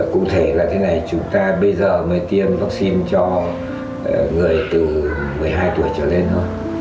cụ thể là thế này chúng ta bây giờ mới tiêm vaccine cho người từ một mươi hai tuổi trở lên thôi